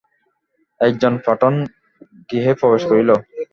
এক জন পাঠান গৃহে প্রবেশ করিল।